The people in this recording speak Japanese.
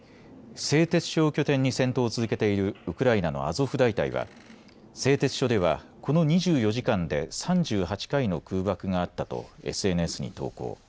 製鉄所を拠点に戦闘を続けているウクライナのアゾフ大隊は製鉄所ではこの２４時間で３８回の空爆があったとＳＮＳに投稿。